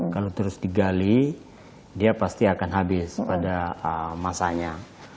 kalau terus digali dia pasti akan habis pada masanya